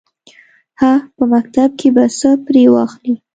_هه! په مکتب کې به څه پرې واخلې.